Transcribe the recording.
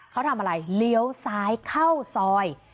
เขาทำอะไรเลี้ยวซ้ายเข้าซอย